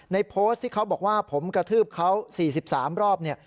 ในโพสต์ที่เขาบอกว่าผมกระทืบเขาสี่สิบสามรอบเนี่ย